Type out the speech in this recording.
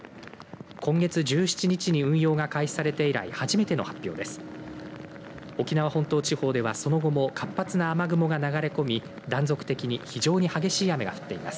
今月１７日に運用が開始されて以来初めての発表です。